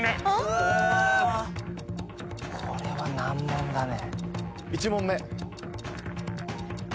これは難問だね。